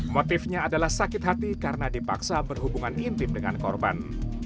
motifnya adalah sakit hati karena dipaksa berhubungan intim dengan korban